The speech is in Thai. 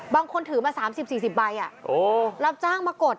บางคนถือมา๓๐๔๐ใบรับจ้างมากด